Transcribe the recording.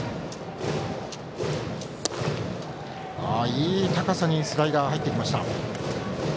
いい高さにスライダーが入ってきました。